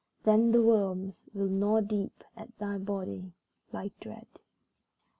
Then the worms will gnaw deep at thy body, like Dread.